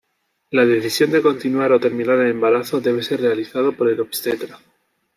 La decisión de continuar o terminar el embarazo debe ser realizado por el obstetra.